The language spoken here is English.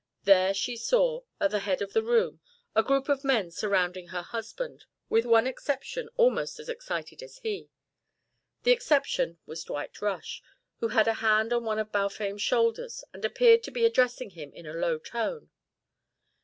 There she saw, at the head of the room, a group of men surrounding her husband; with one exception, almost as excited as he. The exception was Dwight Rush who had a hand on one of Balfame's shoulders and appeared to be addressing him in a low tone.